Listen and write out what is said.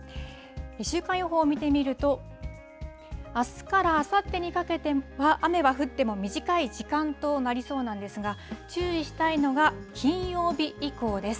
週間予報を見てみると、あすからあさってにかけては雨は降っても短い時間となりそうなんですが、注意したいのが金曜日以降です。